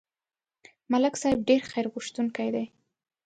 ملک صاحب ډېر خیرغوښتونکی دی.